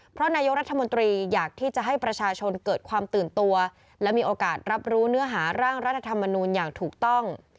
เพราะนายกรัฐมนตรีอยากที่จะให้ประชาชนเกิดความตื่นตัวและมีโอกาสรับรู้เนื้อหาร่างรัฐธรรมนูลอย่างถูกต้อง